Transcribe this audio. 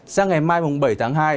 sang ngày mai bảy tháng hai